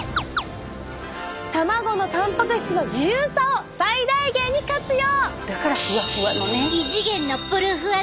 卵のたんぱく質の自由さを最大限に活用！